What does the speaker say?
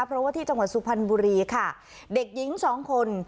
เพราะว่าที่จังหวัดสุพรรณบุรีค่ะเด็กหญิงสองคน